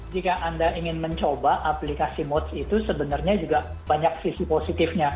jika anda ingin mencoba aplikasi moch itu sebenarnya juga banyak sisi positifnya